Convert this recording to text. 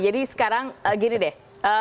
jadi sekarang gini deh